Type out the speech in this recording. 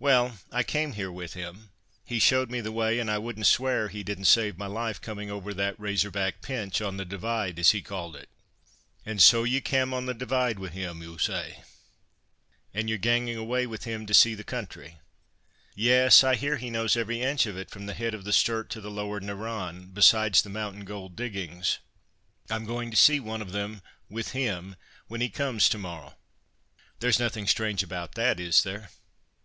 "Well, I came here with him. He showed me the way, an I wouldn't swear he didn't save my life, coming over that Razor back pinch, on the Divide, as he called it." "And so ye cam' on the Divide wi' him, ou, ay? And ye're gangin' awa' wi' him to see the country?" "Yes! I hear he knows every inch of it from the head of the Sturt to the Lower Narran, besides the mountain gold diggings. I'm going to see one of them, with him, when he comes to morrow. There's nothing strange about that, is there?"